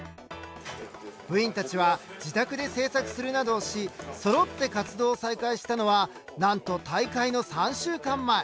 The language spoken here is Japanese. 部員たちは自宅で製作するなどをしそろって活動を再開したのはなんと大会の３週間前。